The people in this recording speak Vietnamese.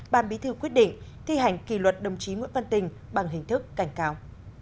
ban bí thư quyết định thi hành kỷ luật đồng chí nguyễn văn tình bằng hình thức cảnh cáo